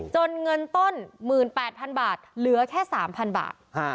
เงินต้น๑๘๐๐๐บาทเหลือแค่๓๐๐บาท